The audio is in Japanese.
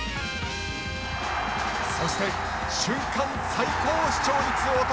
そして、瞬間最高視聴率男。